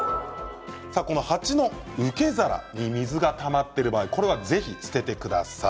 鉢の受け皿に水がたまっている場合これはぜひ捨ててください。